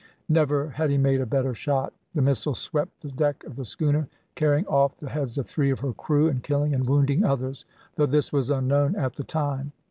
Never had he made a better shot. The missile swept the deck of the schooner, carrying off the heads of three of her crew, and killing and wounding others though this was unknown at the time.